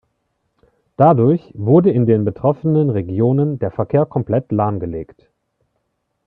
Dadurch wurde in den betroffenen Regionen der Verkehr komplett lahmgelegt.